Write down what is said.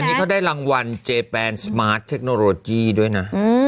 อันนี้เค้าได้รางวัลเจแปนด้วยน่ะอืมอืมนะ